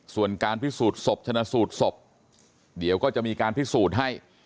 ส่วนการพิสูจน์ศพชนะสูตรศพเดี๋ยวก็จะมีการพิสูจน์ให้